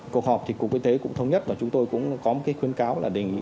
cuộc họp thì cục y tế cũng thống nhất và chúng tôi cũng có một khuyến cáo là đề nghị